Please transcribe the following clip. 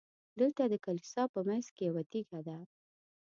دلته د کلیسا په منځ کې یوه تیږه ده.